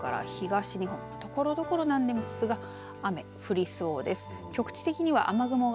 西日本から東日本ところどころですが雨、降りそうです。